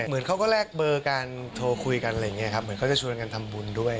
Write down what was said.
เหมือนเขาก็แลกเบอร์กันโทรคุยกันอะไรอย่างนี้ครับเหมือนเขาจะชวนกันทำบุญด้วย